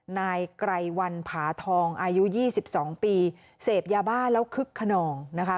นายไกรวันผาทองอายุ๒๒ปีเสพยาบ้าแล้วคึกขนองนะคะ